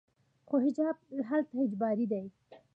خو حجاب هلته اجباري دی.